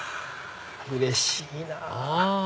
うれしいなぁ。